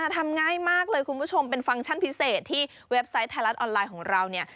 ทำง่ายมากเลยคุณผู้ชมเป็นฟังก์ชั่นพิเศษที่เว็บไซต์ไทยรัฐออนไลน์ของเราเนี่ย